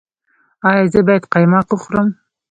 ایا زه باید قیماق وخورم؟